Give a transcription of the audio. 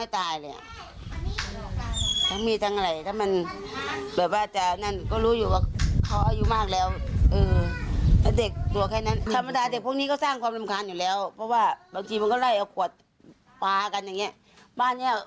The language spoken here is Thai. เดินมาจะเป็นเอ้าตีกันสร้างภาพ